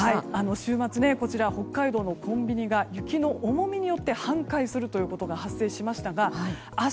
週末、北海道のコンビニが雪の重みによって半壊するということが発生しましたが明日